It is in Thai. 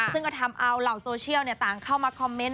ซึ่งก็ทำเอาเหล่าโซเชียลต่างเข้ามาคอมเมนต